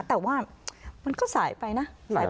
แต่ว่ามันก็สายไปนะ